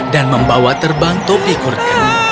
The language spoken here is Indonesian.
dan membawa terbang topi kurgen